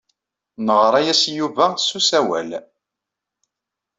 Neɣra-as i Yuba s usawal.